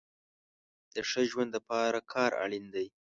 د ښه ژوند د پاره کار اړين دی